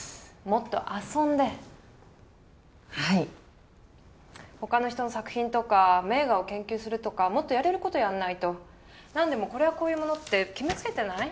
もっと遊んではい他の人の作品とか名画を研究するとかもっとやれることやんないと何でもこれはこういうものって決めつけてない？